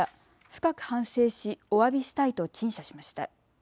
深く反省しおわびしたいと陳謝しました。